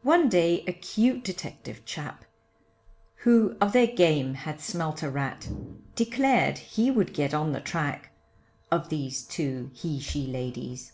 One day a cute detective chap, Who of their game had smelt a rat, Declared he would get on the track, Of these two he she ladies.